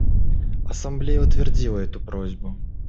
Ассамблея утвердила эту просьбу.